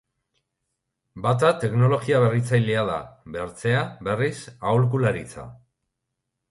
Bata teknologia berritzailea da, bestea berriz, aholkularitza.